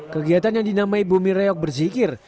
kegiatan yang dinamai bumi reyok bersikir